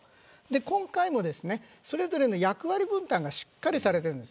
今回も、それぞれの役割分担がしっかりされています。